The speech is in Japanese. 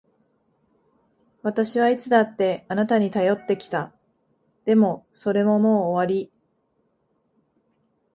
私はいつだってあなたに頼ってきた。でも、それももう終わり。